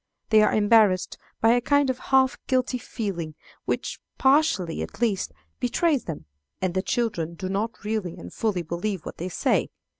They are embarrassed by a kind of half guilty feeling, which, partially at least, betrays them, and the children do not really and fully believe what they say.